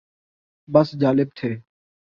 بس جالب تھے